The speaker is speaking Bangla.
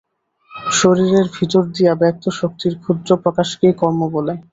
শরীরের ভিতর দিয়া ব্যক্ত শক্তির ক্ষুদ্র প্রকাশকেই কর্ম বলে।